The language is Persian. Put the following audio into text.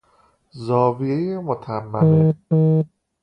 زاویهُ متممه